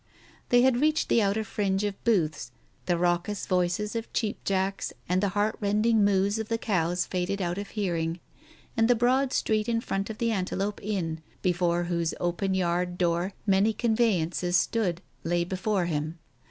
They had reached the outer fringe of booths, the raucous voices of cheap Jacks and the heartrending moos of the cows faded out of hearing, and the broad street in front of the Antelope Inn, before whose open yard door many conveyances stood, lay before him.